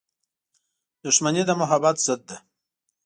• دښمني د محبت ضد ده.